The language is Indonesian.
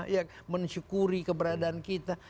ya mensyukuri keberadaan kita